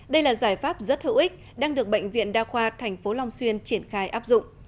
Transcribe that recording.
đây là giải pháp rất hữu ích đang được bệnh viện đa khoa tp long xuyên triển khai áp dụng